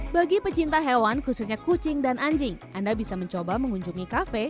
bagi pecinta hewan khususnya kucing dan anjing anda bisa mencoba mengunjungi kafe